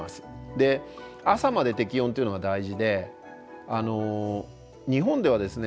で朝まで適温というのが大事で日本ではですね